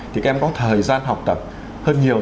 thì các em có thời gian học tập hơn nhiều